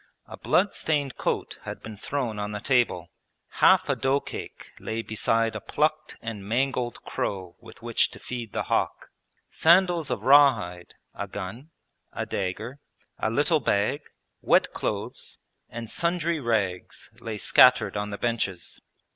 A blood stained coat had been thrown on the table, half a dough cake lay beside a plucked and mangled crow with which to feed the hawk. Sandals of raw hide, a gun, a dagger, a little bag, wet clothes, and sundry rags lay scattered on the benches.